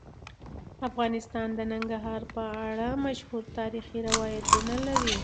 افغانستان د ننګرهار په اړه مشهور تاریخی روایتونه لري.